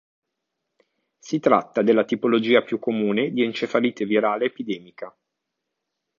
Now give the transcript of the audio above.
Si tratta della tipologia più comune di encefalite virale epidemica.